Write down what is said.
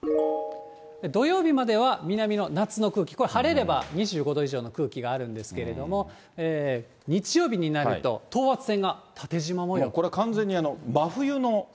土曜日までは南の、夏の空気、これ、晴れれば２５度以上の空気があるんですけれども、日曜日になると、これ、完全に真冬の。